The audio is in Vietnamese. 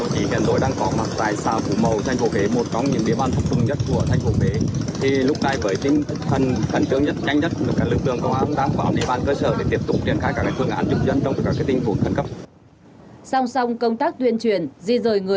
song song công tác tuyên truyền di rời người và tài sản lên vùng thấp trung